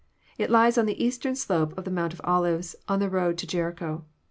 It lies on the eastern slope of the Mount of Olives, on the road to Jericho.